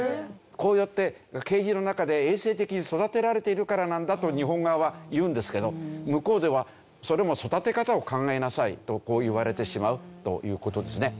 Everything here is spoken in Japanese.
こうやってケージの中で衛生的に育てられているからなんだと日本側は言うんですけど向こうではそれも育て方を考えなさいとこう言われてしまうという事ですね。